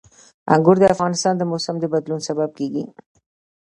انګور د افغانستان د موسم د بدلون سبب کېږي.